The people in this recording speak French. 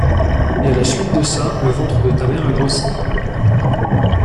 Et à la suite de ça, le ventre de ta mère a grossi.